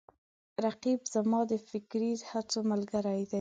رقیب زما د فکري هڅو ملګری دی